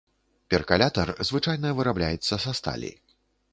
Перкалятар звычайна вырабляецца са сталі.